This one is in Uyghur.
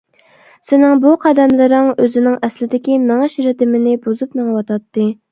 سېنىڭ بۇ قەدەملىرىڭ ئۆزىنىڭ ئەسلىدىكى مېڭىش رىتىمىنى بۇزۇپ مېڭىۋاتاتتى.